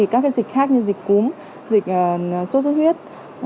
các dịch khác như dịch cúm dịch sốt xuất huyết